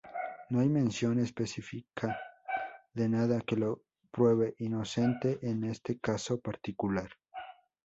No hay mención específica de nada que lo pruebe inocente en este caso particular.